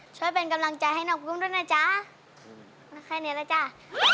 ช่วยเป็นกำลังใจให้น้องกุ้งด้วยนะจ๊ะมาแค่นี้แล้วจ้า